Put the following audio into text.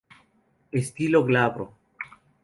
Estilo glabro.